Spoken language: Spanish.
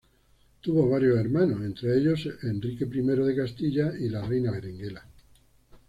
Tuvo varios hermanos, entre ellos, el Enrique I de Castilla y la reina Berenguela.